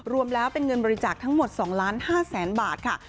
รวมแล้วเป็นเงินบริจาคทั้งหมด๒๕๐๐๐๐บาทค่ะ